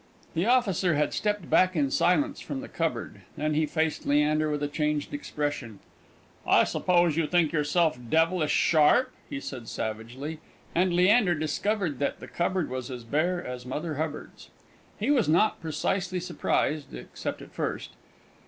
The officer had stepped back in silence from the cupboard; then he faced Leander, with a changed expression. "I suppose you think yourself devilish sharp?" he said savagely; and Leander discovered that the cupboard was as bare as Mother Hubbard's! He was not precisely surprised, except at first.